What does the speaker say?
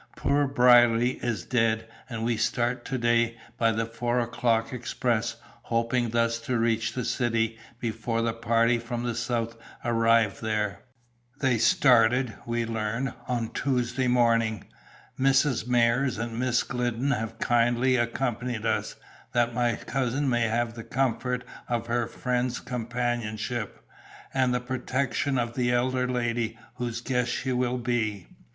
Poor Brierly is dead, and we start to day by the four o'clock express, hoping thus to reach the city before the party from the south arrive there. They started, we learn, on Tuesday morning. Mrs. Myers and Miss Glidden have kindly accompanied us, that my cousin may have the comfort of her friends' companionship, and the protection of the elder lady, whose guest she will be.